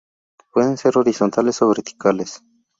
Pueden ser horizontales o verticales.